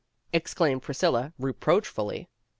exclaimed Priscilla re proachfully.